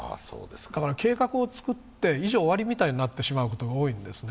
計画を作って、以上、終わりみたいになってしまうことが多いんですね。